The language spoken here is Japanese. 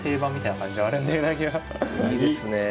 いいですねえ。